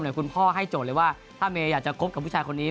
คุณพ่อให้โจทย์เลยว่าถ้าเมย์อยากจะคบกับผู้ชายคนนี้